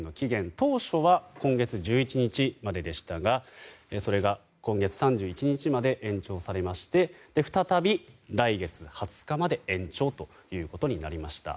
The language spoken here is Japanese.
当初は、今月１１日まででしたがそれが、今月３１日まで延長されまして再び来月２０日まで延長ということになりました。